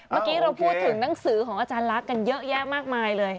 เมื่อกี้เราพูดถึงหนังสือของอาจารย์ลักษณ์กันเยอะแยะมากมายเลย